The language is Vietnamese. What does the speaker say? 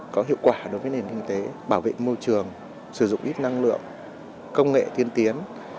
có hiệu quả đối với nền kinh tế bảo vệ môi trường sử dụng ít năng lượng công nghệ tiên tiến